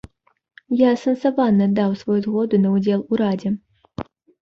Я асэнсавана даў сваю згоду на ўдзел у радзе.